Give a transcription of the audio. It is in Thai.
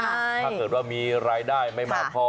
ถ้าเกิดว่ามีรายได้ไม่มากพอ